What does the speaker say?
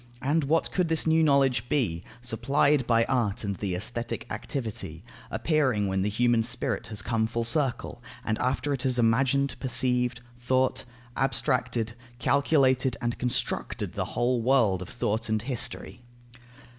And what could this new knowledge be, supplied by art and by the aesthetic activity, appearing when the human spirit has come full circle, after it has imagined, perceived, thought, abstracted, calculated, and constructed the whole world of thought and history?